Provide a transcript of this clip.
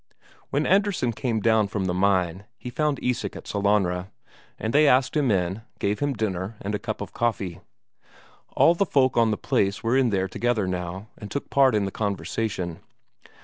When Andresen came down from the mine, he found Isak at Sellanraa, and they asked him in, gave him dinner and a cup of coffee. All the folk on the place were in there together now, and took part in the conversation.